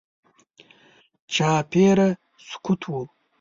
چاپېره سکوت و.